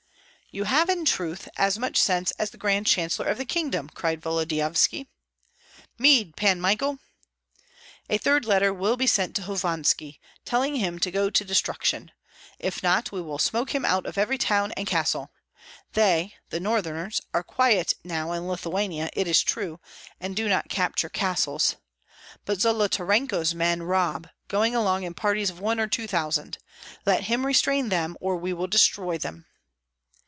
"You have, in truth, as much sense as the grand chancellor of the kingdom," cried Volodyovski. "Mead, Pan Michael! A third letter will be sent to Hovanski, telling him to go to destruction; if not, we will smoke him out of every town and castle. They (the Northerners) are quiet now in Lithuania, it is true, and do not capture castles; but Zolotarenko's men rob, going along in parties of one or two thousand. Let him restrain them, or we will destroy them."